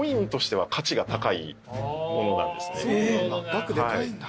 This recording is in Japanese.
額でかいんだ。